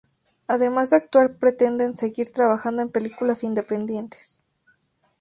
Además de actuar pretende seguir trabajando en películas independientes.